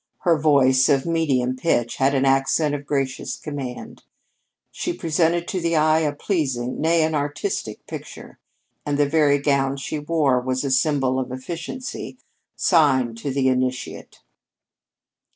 Her voice, of medium pitch, had an accent of gracious command. She presented to the eye a pleasing, nay, an artistic, picture, and the very gown she wore was a symbol of efficiency sign to the initiate.